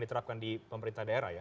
diterapkan di pemerintah daerah ya